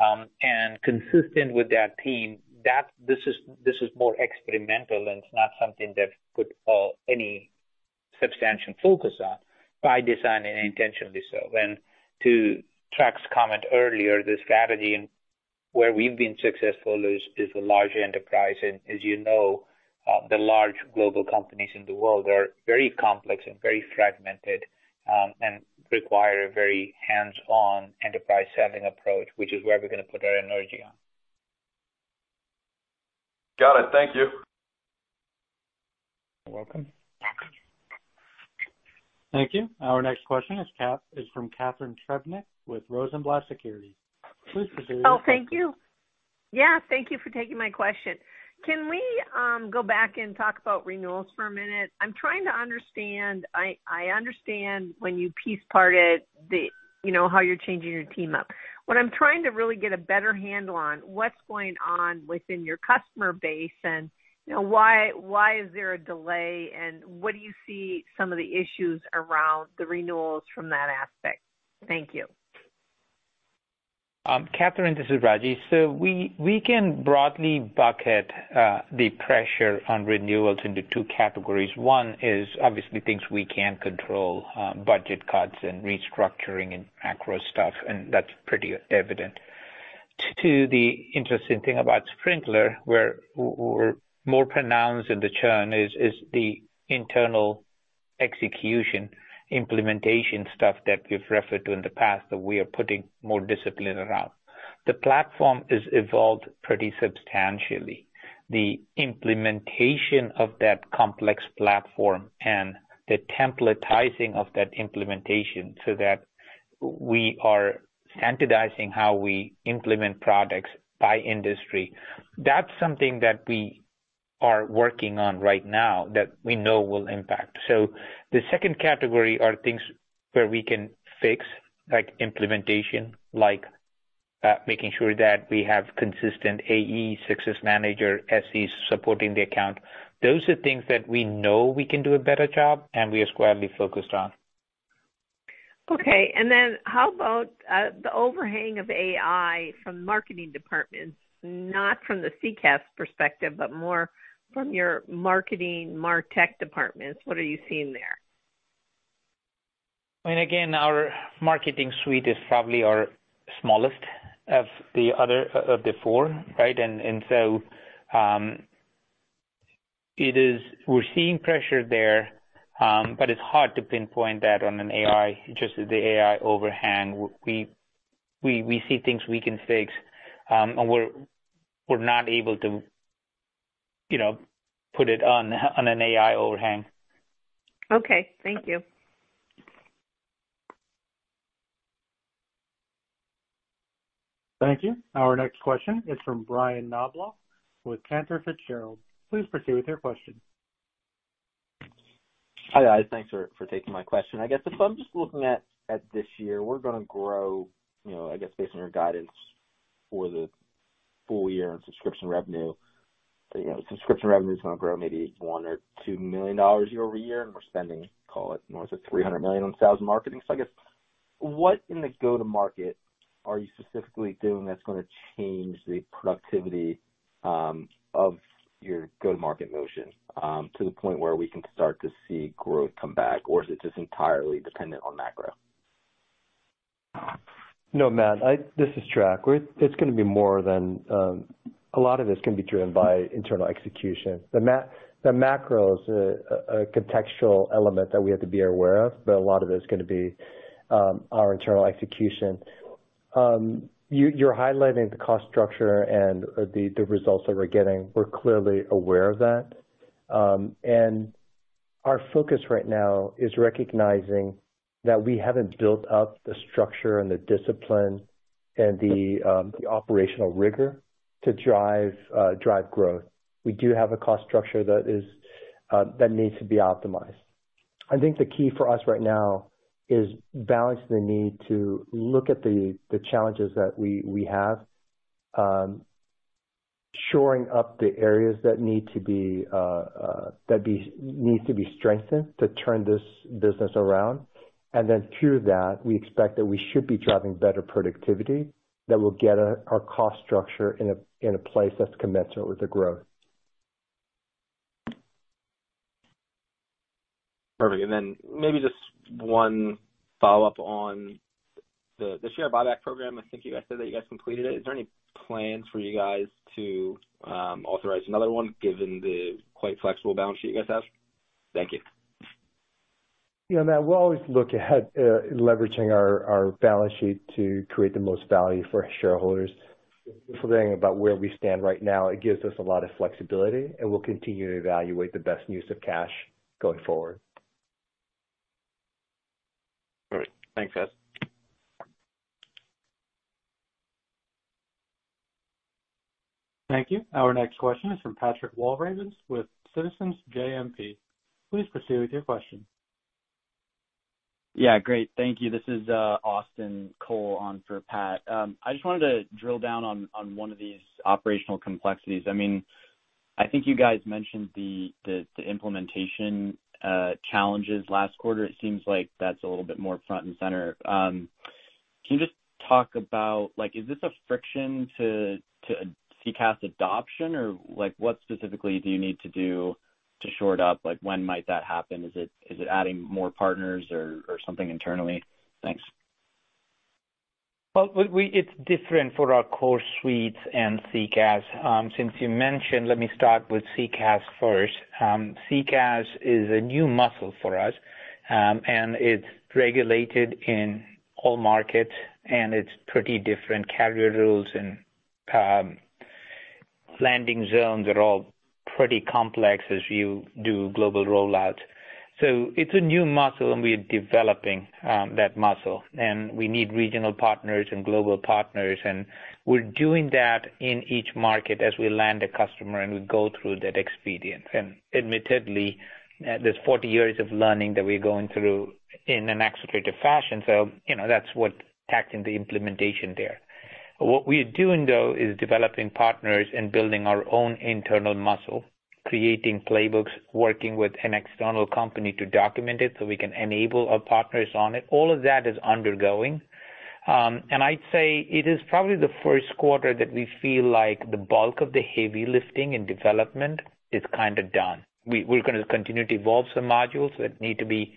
And consistent with that theme, that this is more experimental, and it's not something that put any substantial focus on, by design and intentionally so. To Trac's comment earlier, the strategy and where we've been successful is the large enterprise. As you know, the large global companies in the world are very complex and very fragmented, and require a very hands-on enterprise selling approach, which is where we're gonna put our energy on. Got it. Thank you. You're welcome. Thank you. Our next question is from Catharine Trebnick with Rosenblatt Securities. Please proceed with your question. Oh, thank you. Yeah, thank you for taking my question. Can we go back and talk about renewals for a minute? I'm trying to understand. I understand when you piece it apart, you know, how you're changing your team up. What I'm trying to really get a better handle on, what's going on within your customer base, and, you know, why is there a delay, and what do you see some of the issues around the renewals from that aspect? Thank you. Catharine, this is Ragy. So we can broadly bucket the pressure on renewals into two categories. One is obviously things we can't control, budget cuts and restructuring and macro stuff, and that's pretty evident. To the interesting thing about Sprinklr, where we're more pronounced in the churn, is the internal execution, implementation stuff that we've referred to in the past, that we are putting more discipline around. The platform has evolved pretty substantially. The implementation of that complex platform and the templatizing of that implementation, so that we are standardizing how we implement products by industry, that's something that we are working on right now that we know will impact. So the second category are things where we can fix, like implementation, like making sure that we have consistent AE success manager, SEs supporting the account. Those are things that we know we can do a better job, and we are squarely focused on. Okay, and then how about, the overhang of AI from marketing departments, not from the CCaaS perspective, but more from your marketing, MarTech departments. What are you seeing there? I mean, again, our marketing suite is probably our smallest of the other, of the four, right? And so, it is. We're seeing pressure there, but it's hard to pinpoint that on an AI, just the AI overhang. We see things we can fix, and we're not able to, you know, put it on an AI overhang. Okay. Thank you. Thank you. Our next question is from Brett Knoblauch with Cantor Fitzgerald. Please proceed with your question. Hi, guys. Thanks for taking my question. I guess if I'm just looking at this year, we're gonna grow, you know, I guess based on your guidance for the full year in subscription revenue. You know, subscription revenue is gonna grow maybe $1 million-$2 million year-over-year, and we're spending, call it, more than $300 million on sales marketing. So I guess, what in the go-to-market are you specifically doing that's gonna change the productivity of your go-to-market motion to the point where we can start to see growth come back? Or is it just entirely dependent on macro? No, Matt. This is Chuck. It's gonna be more than a lot of this is gonna be driven by internal execution. The macro is a contextual element that we have to be aware of, but a lot of it is gonna be our internal execution. You're highlighting the cost structure and the results that we're getting. We're clearly aware of that. Our focus right now is recognizing that we haven't built up the structure and the discipline and the operational rigor to drive growth. We do have a cost structure that needs to be optimized. I think the key for us right now is balancing the need to look at the challenges that we have, shoring up the areas that need to be strengthened to turn this business around, and then through that, we expect that we should be driving better productivity that will get our cost structure in a place that's commensurate with the growth. Perfect. Then maybe just one follow-up on the share buyback program. I think you guys said that you guys completed it. Is there any plans for you guys to authorize another one, given the quite flexible balance sheet you guys have? Thank you. You know, Matt, we'll always look ahead in leveraging our balance sheet to create the most value for shareholders. The good thing about where we stand right now, it gives us a lot of flexibility, and we'll continue to evaluate the best use of cash going forward. All right. Thanks, guys. Thank you. Our next question is from Patrick Walravens with Citizens JMP. Please proceed with your question. Yeah, great. Thank you. This is Austin Cole on for Pat. I just wanted to drill down on one of these operational complexities. I mean, I think you guys mentioned the implementation challenges last quarter. It seems like that's a little bit more front and center. Can you just talk about, like, is this a friction to CCaaS adoption, or like, what specifically do you need to do to shore it up? Like, when might that happen? Is it adding more partners or something internally? Thanks. It's different for our core suites and CCaaS. Since you mentioned, let me start with CCaaS first. CCaaS is a new muscle for us, and it's regulated in all markets, and it's pretty different carrier rules and landing zones are all pretty complex as you do global rollouts. So it's a new muscle, and we are developing that muscle, and we need regional partners and global partners, and we're doing that in each market as we land a customer, and we go through that experience. And admittedly, there's forty years of learning that we're going through in an accelerated fashion. So, you know, that's what taxing the implementation there. What we are doing, though, is developing partners and building our own internal muscle, creating playbooks, working with an external company to document it so we can enable our partners on it. All of that is undergoing, and I'd say it is probably the Q1 that we feel like the bulk of the heavy lifting and development is kind of done. We're gonna continue to evolve some modules that need to be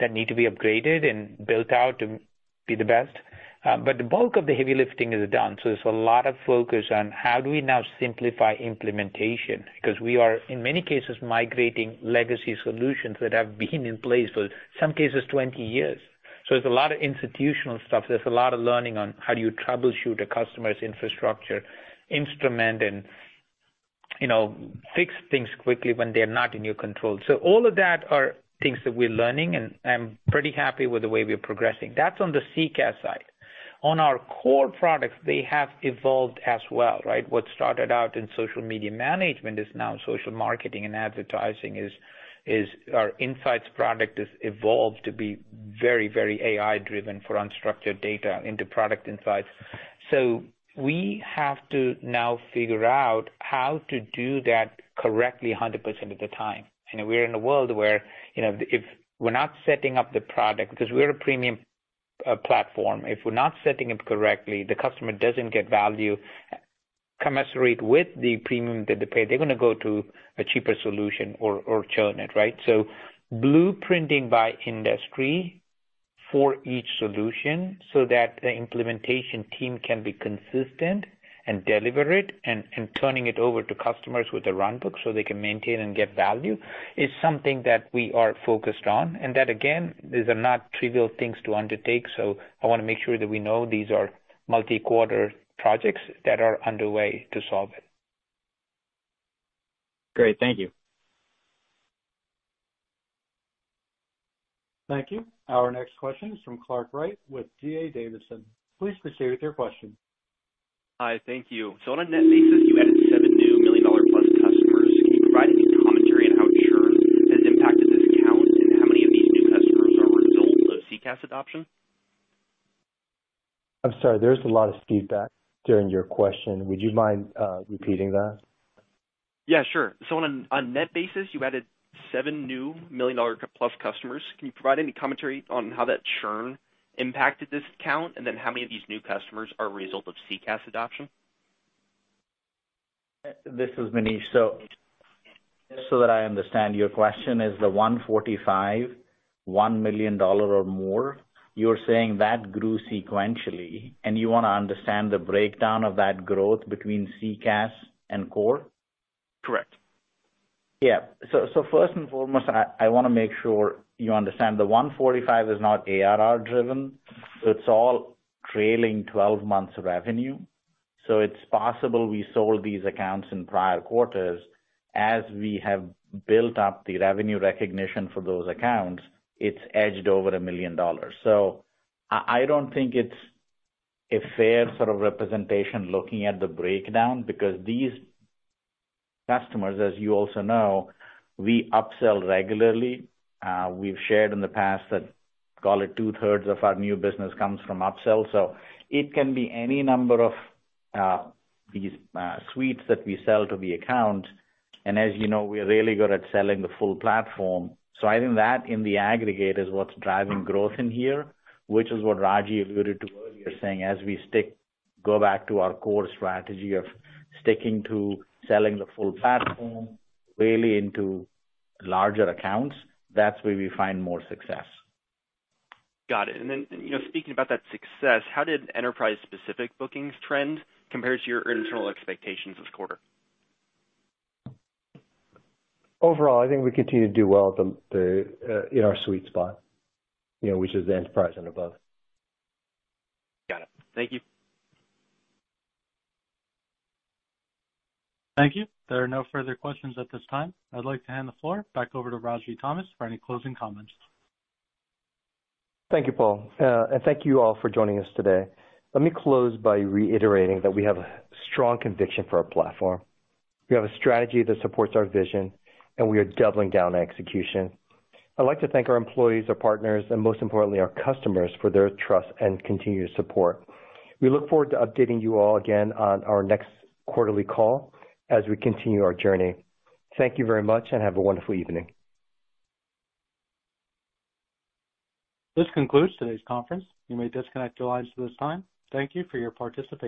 upgraded and built out to be the best, but the bulk of the heavy lifting is done. So there's a lot of focus on how do we now simplify implementation? Because we are, in many cases, migrating legacy solutions that have been in place for some cases, 20 years. So there's a lot of institutional stuff. There's a lot of learning on how do you troubleshoot a customer's infrastructure, instrument and, you know, fix things quickly when they're not in your control. So all of that are things that we're learning, and I'm pretty happy with the way we are progressing. That's on the CCaaS side. On our core products, they have evolved as well, right? What started out in social media management is now social marketing and advertising. Our Insights product has evolved to be very, very AI driven for unstructured data into product insights. So we have to now figure out how to do that correctly 100% of the time. You know, we're in a world where, you know, if we're not setting up the product, because we're a premium platform, if we're not setting it correctly, the customer doesn't get value commensurate with the premium that they pay. They're gonna go to a cheaper solution or churn it, right? So blueprinting by industry for each solution so that the implementation team can be consistent and deliver it, and turning it over to customers with the runbook so they can maintain and get value, is something that we are focused on. And that, again, these are not trivial things to undertake, so I wanna make sure that we know these are multi-quarter projects that are underway to solve it. Great. Thank you. Thank you. Our next question is from Clark Wright with D.A. Davidson. Please proceed with your question. Hi, thank you, so on a net basis, you added seven new million-dollar-plus customers. Can you provide any commentary on how churn has impacted this count, and how many of these new customers are a result of CCaaS adoption? I'm sorry, there was a lot of feedback during your question. Would you mind repeating that? Yeah, sure. So on net basis, you added seven new million-dollar-plus customers. Can you provide any commentary on how that churn impacted this count? And then how many of these new customers are a result of CCaaS adoption? This is Manish. So, just so that I understand, your question is the 145 $1 million or more, you're saying that grew sequentially, and you wanna understand the breakdown of that growth between CCaaS and core? Correct. Yeah. First and foremost, I wanna make sure you understand the 145 is not ARR driven, so it's all trailing twelve months revenue. It's possible we sold these accounts in prior quarters. As we have built up the revenue recognition for those accounts, it's edged over $1 million. So I don't think it's a fair sort of representation looking at the breakdown, because these customers, as you also know, we upsell regularly. We've shared in the past that, call it two-thirds of our new business comes from upsell. It can be any number of these suites that we sell to the account, and as you know, we're really good at selling the full platform. So I think that in the aggregate is what's driving growth in here, which is what Ragy alluded to earlier, saying as we stick... Go back to our core strategy of sticking to selling the full platform, really into larger accounts. That's where we find more success. Got it. And then, you know, speaking about that success, how did enterprise-specific bookings trend compare to your internal expectations this quarter? Overall, I think we continue to do well in our sweet spot, you know, which is the enterprise and above. Got it. Thank you. Thank you. There are no further questions at this time. I'd like to hand the floor back over to Ragy Thomas for any closing comments. Thank you, Paul, and thank you all for joining us today. Let me close by reiterating that we have strong conviction for our platform. We have a strategy that supports our vision, and we are doubling down on execution. I'd like to thank our employees, our partners, and most importantly, our customers for their trust and continued support. We look forward to updating you all again on our next quarterly call as we continue our journey. Thank you very much and have a wonderful evening. This concludes today's conference. You may disconnect your lines at this time. Thank you for your participation.